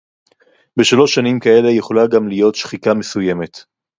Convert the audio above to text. בשלוש שנים כאלה יכולה גם להיות שחיקה מסוימת